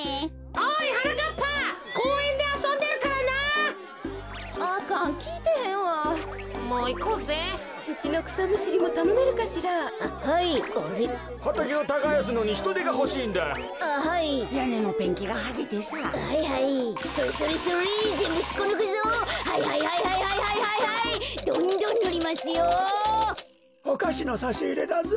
おかしのさしいれだぞ。